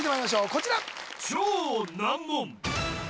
こちら